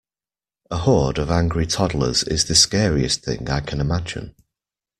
A horde of angry toddlers is the scariest thing I can imagine.